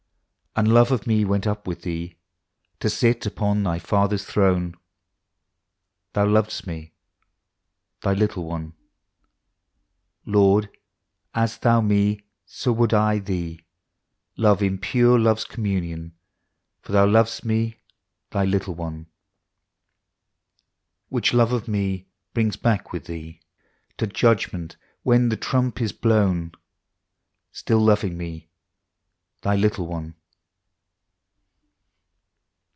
And love of me went up with Thee To sit upon Thy Father's Throne: Thou lovedst me Thy little one: POEMS OF HOME. Lord, as Thou me, so would I Thee Love iu pure love's communion, For Thou lov'st me Thy little one: Which love of me brings back with Thee To Judgment when the Trump is blown, Still loving me Thy little one.